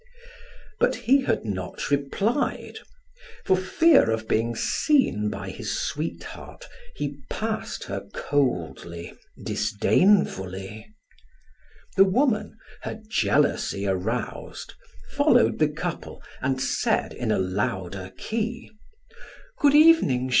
But he had not replied; for fear of being seen by his sweetheart he passed her coldly, disdainfully. The woman, her jealousy aroused, followed the couple and said in a louder key: "Good evening, Georges."